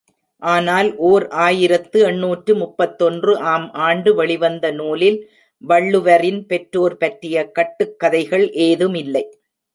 ஆனால் ஓர் ஆயிரத்து எண்ணூற்று முப்பத்தொன்று ஆம் ஆண்டு வெளிவந்த நூலில் வள்ளுவரின் பெற்றோர் பற்றிய கட்டுக்கதைகள் ஏதுமில்லை.